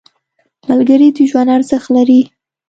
• ملګری د ژوند ارزښت لري.